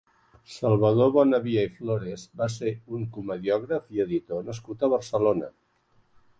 Salvador Bonavia i Flores va ser un comediògraf i editor nascut a Barcelona.